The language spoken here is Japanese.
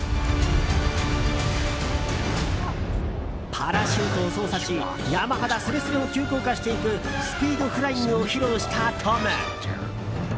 パラシュートを操作し山肌すれすれを急降下していくスピードフライングを披露したトム。